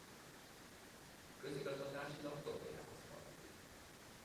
Közigazgatásilag Topolyához tartozik.